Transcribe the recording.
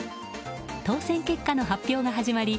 当選結果の発表が始まり